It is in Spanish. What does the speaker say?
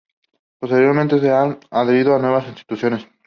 Posteriormente, se han adherido nuevas instituciones.